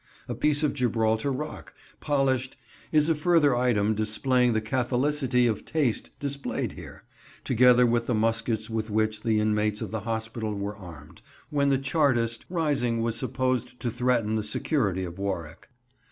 A piece of Gibraltar rock, polished, is a further item displaying the catholicity of taste displayed here, together with the muskets with which the inmates of the Hospital were armed when the Chartist rising was supposed to threaten the security of Warwick.